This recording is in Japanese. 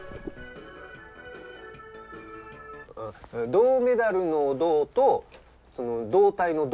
銅メダルの銅と胴体の胴。